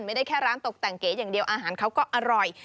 ไม่ได้แค่ร้านตกแต่งเก๋อย่างเดียวอาหารเขาก็อร่อย